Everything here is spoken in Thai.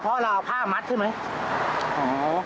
เพราะเราเอาผ้ามัดใช่ไหม